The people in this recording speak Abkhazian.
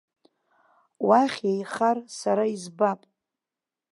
Уахь еихар, сара избап.